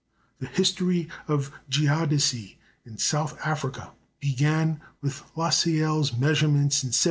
The history of geodesy in South Africa began with Lacaille's measurements in 1752.